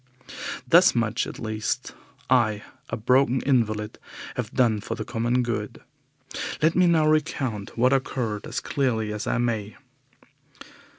Thus much at least I, a broken invalid, have done for the common good. Let me now recount what occurred as clearly as I may.